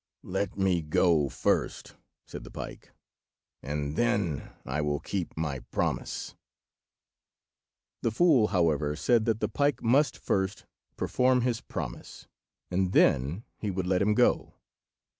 "Let me go first," said the pike, "and then I will keep my promise." The fool, however, said that the pike must first perform his promise, and then he would let him go.